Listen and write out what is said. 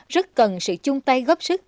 rất cần sự chung tay góp sức